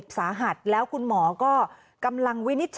เผื่อ